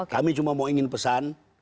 kami cuma mau ingin pesan